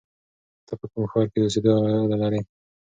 ته په کوم ښار کې د اوسېدو اراده لرې؟